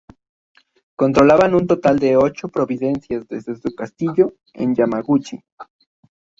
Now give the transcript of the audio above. Controlaban un total de ocho provincias desde su castillo en Yamaguchi.